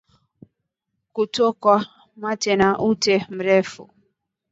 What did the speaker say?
Kutokwa mate au ute mrefu